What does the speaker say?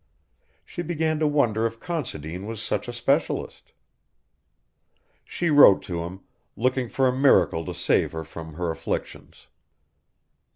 She began to wonder if Considine was such a specialist. She wrote to him, looking for a miracle to save her from her afflictions.